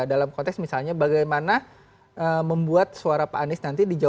dalam konteks misalnya bagaimana membuat suara pak anies nanti dijalankan